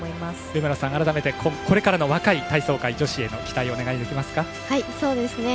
上村さん、改めてこれからの若い体操界期待お願いします。